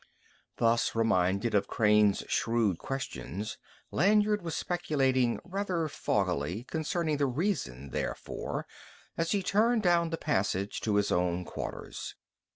Thus reminded of Crane's shrewd questions, Lanyard was speculating rather foggily concerning the reason therefor as he turned down the passage to his own quarters.